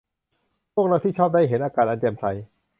พวกเราชอบที่ได้เห็นอากาศอันแจ่มใส